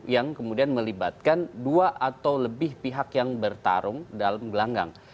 yang kemudian melibatkan dua atau lebih pihak yang bertarung dalam gelanggang